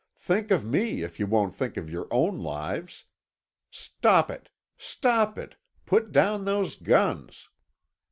Think of me if you won't think of your own lives. Stop it, stop it! Put down those guns!"